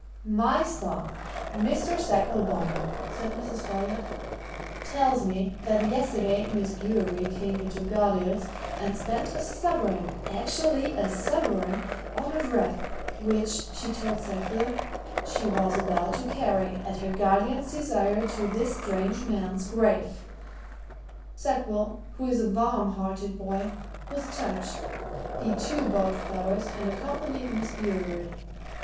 "My son, Mr. Sackville Bonham," said Mrs. Folliot, "tells me that yesterday Miss Bewery came into Gardales' and spent a sovereign actually a sovereign! on a wreath, which, she told Sackville, she was about to carry, at her guardian's desire, to this strange man's grave. Sackville, who is a warm hearted boy, was touched he, too, bought flowers and accompanied Miss Bewery.